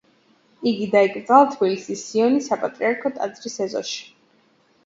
იგი დაიკრძალა თბილისის სიონის საპატრიარქო ტაძრის ეზოში.